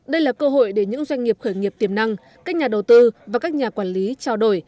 đây là cơ hội để những doanh nghiệp khởi nghiệp tiềm năng các nhà đầu tư và các nhà quản lý trao đổi